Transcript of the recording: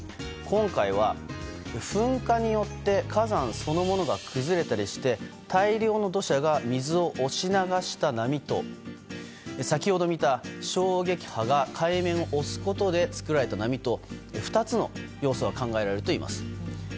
今回は噴火によって火山そのものが崩れたりして大量の土砂が水を押し流した波と先ほど見た衝撃波が海面を押すことで作られた波と２つの要素が考えられるといいます。